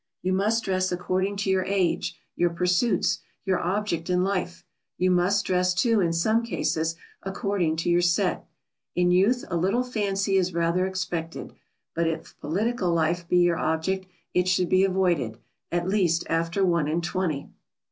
You must dress according to your age, your pursuits, your object in life; you must dress, too, in some cases, according to your set. In youth a little fancy is rather expected, but if political life be your object, it should be avoided at least after one and twenty.